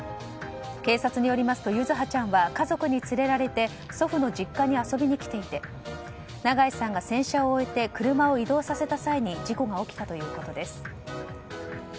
警察によりますと柚葉ちゃんは家族に連れられて祖父の実家に遊びに来ていて永井さんが洗車を終えて車を移動させた際に事故が起きたということです。